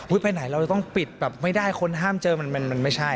ไปไหนเราจะต้องปิดแบบไม่ได้คนห้ามเจอมันไม่ใช่